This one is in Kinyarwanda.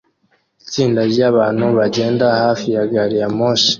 Itsinda ryabantu bagenda hafi ya gari ya moshi